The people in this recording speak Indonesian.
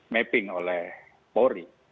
mapping oleh polri